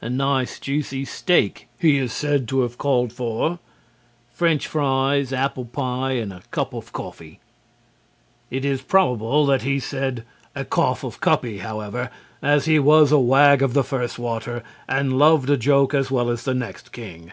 "A nice, juicy steak," he is said to have called for, "French fries, apple pie and a cup of coffee." It is probable that he really said "a coff of cuppee," however, as he was a wag of the first water and loved a joke as well as the next king.